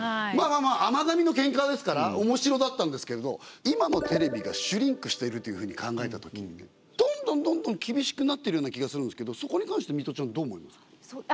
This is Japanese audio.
甘がみのケンカですからおもしろだったんですけど今のテレビがシュリンクしているっていうふうに考えたときってどんどんどんどん厳しくなってるような気がするんですけどそこに関してミトちゃんどう思いますか？